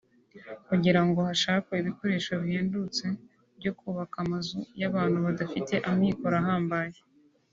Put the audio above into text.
kugirango hashakwe ibikoresho bihendutse byo kubaka amazu y’abantu badafite amikoro ahambaye